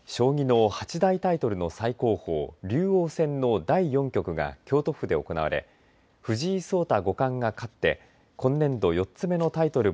将棋の八大タイトルの最高峰は竜王戦の第４局が京都府で行われ藤井聡太五冠が勝って今年度４つ目のタイトル